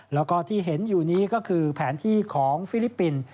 แล้วก็ที่เห็นอยู่นี้ก็คือแผนที่ของฟิลิปปินส์